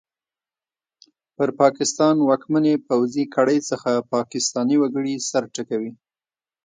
پر پاکستان واکمنې پوځي کړۍ څخه پاکستاني وګړي سر ټکوي!